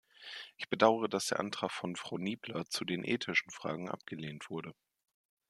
Ich bedaure, dass der Antrag von Frau Niebler zu den ethischen Fragen abgelehnt wurde.